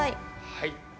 はい。